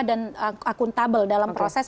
dan akuntabel dalam proses